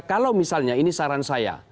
kalau misalnya ini saran saya